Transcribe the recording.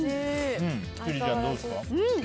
千里ちゃん、どうですか？